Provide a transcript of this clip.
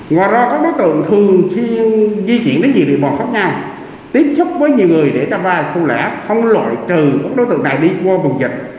ngoài ra các đối tượng thường di chuyển đến nhiều địa bò khác ngang tiếp xúc với nhiều người để cho vai không lẽ không lội trừ các đối tượng đang đi qua bộ dịch